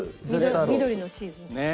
緑のチーズね。